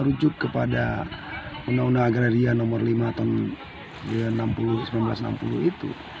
merujuk kepada undang undang agraria nomor lima tahun seribu sembilan ratus enam puluh itu